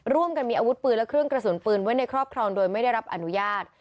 ร่วมกันมีอาวุธปืนและเครื่องกระสุนปืนไว้ในครอบครองโดยไม่ได้รับอนุญาต